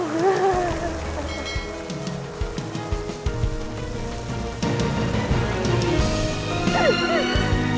enggak enggak enggak